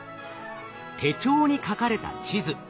手帳に書かれた地図。